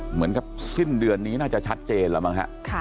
เหมือนกับสิ้นเดือนนี้น่าจะชัดเจนแล้วมั้งฮะ